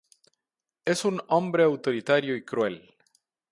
Es un hombre autoritario y cruel.